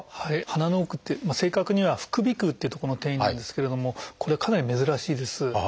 鼻の奥って正確には「副鼻腔」という所の転移なんですけれどもこれはかなり珍しいです。